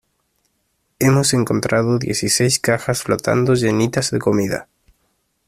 hemos encontrado dieciséis cajas flotando llenitas de comida.